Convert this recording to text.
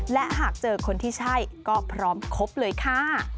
และหากเจอคนที่ใช่ก็พร้อมครบเลยค่ะ